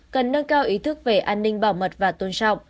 cần nâng cao ý thức về an ninh bảo mật và tôn trọng